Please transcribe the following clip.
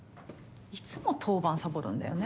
いつも当番サボるんだよね